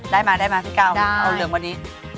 ได้มาพี่ก้าวเอาเหลืองกว่านี้